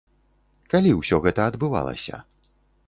Калі ўсё гэта адбывалася?